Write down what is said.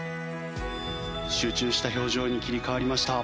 集中した表情に切り替わりました。